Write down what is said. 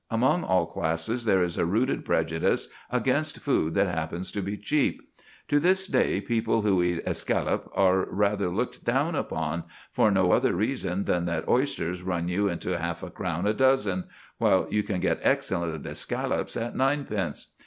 Among all classes there is a rooted prejudice against food that happens to be cheap. To this day people who eat escallops are rather looked down upon, for no other reason than that oysters run you into half a crown a dozen, while you can get excellent escallops at ninepence.